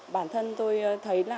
bản thân tôi thấy